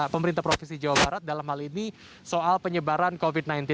pemerintah provinsi jawa barat